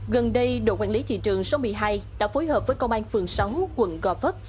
gần đây đội quản lý thị trường số một mươi hai đã phối hợp với công an phường sáu quận gò vấp